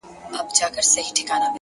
مهرباني د سختو زړونو قلف ماتوي,